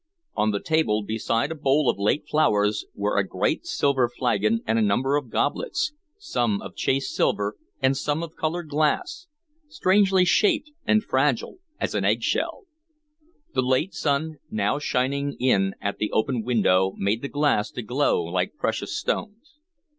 On the table, beside a bowl of late flowers were a great silver flagon and a number of goblets, some of chased silver and some of colored glass, strangely shaped and fragile as an eggshell. The late sun now shining in at the open window made the glass to glow like precious stones.